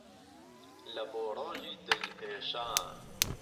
له بۆ ڕۆژی دل هێشان